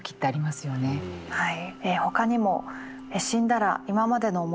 はい。